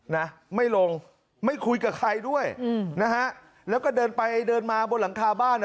นะไม่ลงไม่คุยกับใครด้วยอืมนะฮะแล้วก็เดินไปเดินมาบนหลังคาบ้านอ่ะ